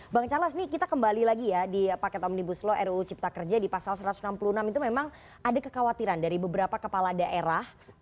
bang charles ini kita kembali lagi ya di paket omnibus law ruu cipta kerja di pasal satu ratus enam puluh enam itu memang ada kekhawatiran dari beberapa kepala daerah